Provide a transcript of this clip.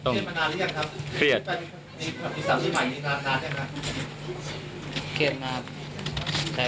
มันเครียดขนาดไหน